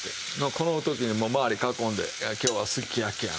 この時にもう周り囲んで「今日はすき焼きやな」って。